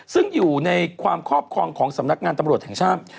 ซึ่งอยู่ในความครอบครองของสำนักงานตำรวจแห่งชาติ